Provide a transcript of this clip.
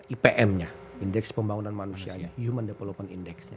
ipm nya indeks pembangunan manusianya human development index nya